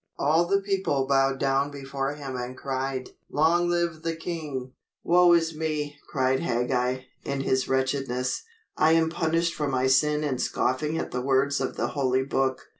All the people bowed down before him and cried, "Long live the king!" "Woe is me," cried Hagag, in his wretchedness. "I am punished for my sin in scoffing at the words of the Holy Book."